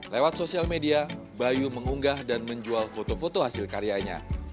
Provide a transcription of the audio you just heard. lewat sosial media bayu mengunggah dan menjual foto foto hasil karyanya